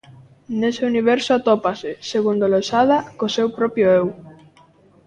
Nese universo atópase, segundo Losada, co seu propio Eu.